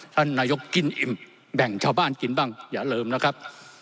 ท่านนายกกินอิ่มแบ่งชาวบ้านกินบ้างอย่าลืมนะครับ